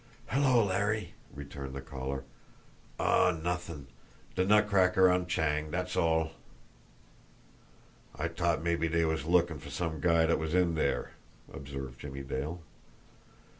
"'Ello, Larry!" returned the other. "Aw, nuthin'! De nutcracker on Chang, dat's all." "I t'ought mabbe dey was lookin' for some guy dat was in dere," observed Jimmie Dale.